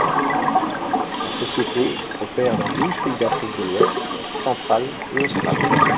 La société opère dans douze pays d'Afrique de l'ouest, centrale et australe.